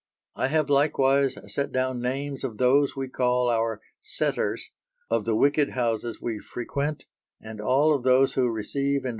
I have likewise set down names of those we call our setters, of the wicked houses we frequent, and all of those who receive and buy our stolen goods.